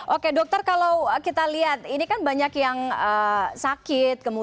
oke dokter kalau kita lihat ini kan banyak yang sakit